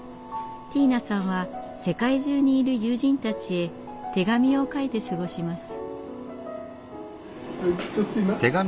ティーナさんは世界中にいる友人たちへ手紙を書いて過ごします。